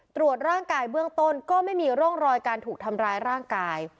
ตรวจร่างกายเบื้องต้นก็ไม่มีร่องรอยการถูกทำร้ายร่างกาย